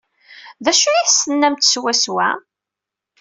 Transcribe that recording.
D acu ay as-tennamt swaswa?